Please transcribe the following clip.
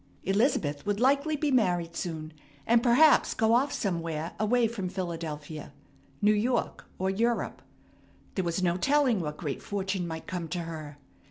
Elizabeth would likely be married soon, and perhaps go off somewhere away from Philadelphia New York or Europe, there was no telling what great fortune might come to her.